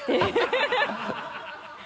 ハハハ